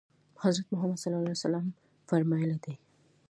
حضرت محمد صلی الله علیه وسلم فرمایلي دي.